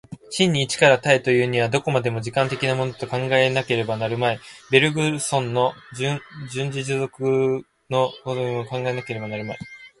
真に一から多へというには、どこまでも時間的なものと考えなければなるまい、ベルグソンの純粋持続の如きものを考えなければなるまい。